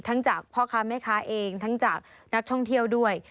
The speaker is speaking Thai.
จากพ่อค้าแม่ค้าเองทั้งจากนักท่องเที่ยวด้วย